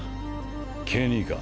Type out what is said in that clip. ケニーか？